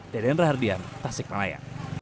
deden rahardian tasik malaya